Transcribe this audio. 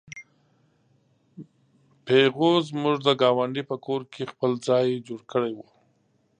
پيغو زموږ د ګاونډي په کور کې خپل ځای جوړ کړی و.